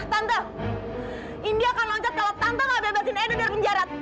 tante indi akan loncat kalau tante gak bebasin edo dari penjara